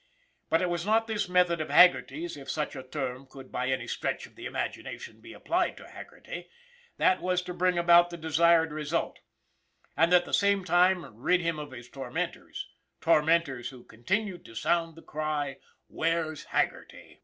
But it was not this method of Haggerty's, if such a term could by any stretch of the imagination be applied to Haggerty, that was to bring about the desired result, and at the same time rid him of his tormentors tor mentors who continued to sound the cry, " Where's Haggerty